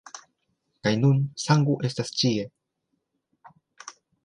Kaj nun sango estas ĉie.